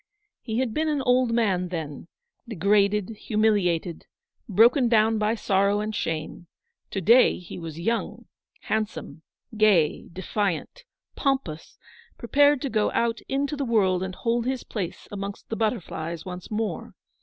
He had been an [old man then, degraded, humiliated, broken down by sorrow and shame : to day he was young, handsome, gay, defiant, UPON THE THRESHOLD OF A GREAT SORROW. 71 pompous, prepared to go out into the world and hold his place amongst the butterflies once more.